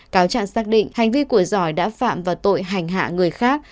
cáo trạng xác định hành vi của giỏi đã phạm vào tội hành hạ người khác